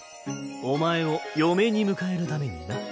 お前を嫁に迎えるためにな。